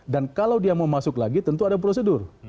dan kalau dia mau masuk lagi tentu ada prosedur